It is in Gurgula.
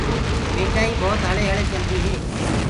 ميٺآئي بوت هݪي هݪي چلدي هي۔